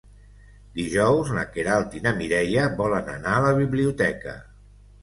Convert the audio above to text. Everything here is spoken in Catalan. Dijous na Queralt i na Mireia volen anar a la biblioteca.